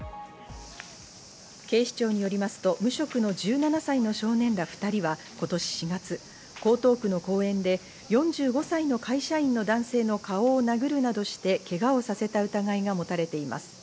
警視庁によりますと無職の１７歳の少年ら２人は今年４月、江東区の公園で４５歳の会社員の男性の顔を殴るなどしてけがをさせた疑いが持たれています。